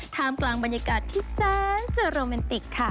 ทำกลางบรรยากาศที่สามารถเจอโรแมนติกค่ะ